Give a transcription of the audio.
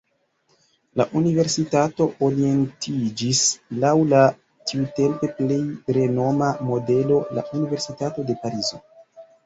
La universitato orientiĝis laŭ la tiutempe plej renoma modelo, la universitato de Parizo.